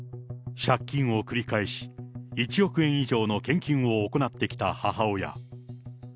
借金を繰り返し、１億円以上の献金を行ってきた母親。